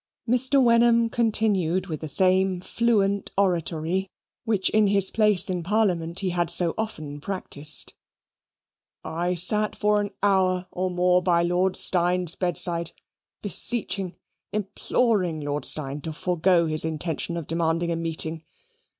Mr. Wenham continued with the same fluent oratory, which in his place in Parliament he had so often practised "I sat for an hour or more by Lord Steyne's bedside, beseeching, imploring Lord Steyne to forego his intention of demanding a meeting.